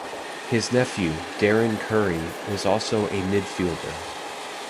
His nephew, Darren Currie, was also a midfielder.